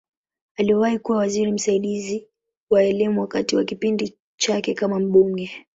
Aliwahi kuwa waziri msaidizi wa Elimu wakati wa kipindi chake kama mbunge.